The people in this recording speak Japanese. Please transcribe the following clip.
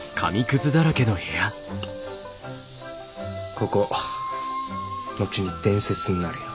ここ後に伝説になるよ。